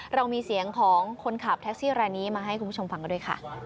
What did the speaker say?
เรามีเสียงของคนขับแท็กซี่รายนี้มาให้คุณผู้ชมฟังกันด้วยค่ะ